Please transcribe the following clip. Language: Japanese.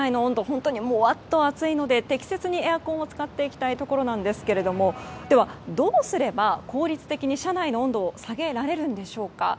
本当にもわっと暑いので適切にエアコンを使っていきたいところなんですがでは、どうすれば効率的に車内の温度を下げられるんでしょうか。